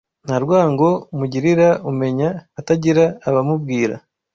Nta rwango mugirira Umenya atagira abamubwira